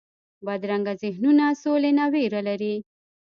بدرنګه ذهنونونه سولې نه ویره لري